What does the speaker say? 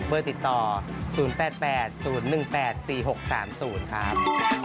ติดต่อ๐๘๘๐๑๘๔๖๓๐ครับ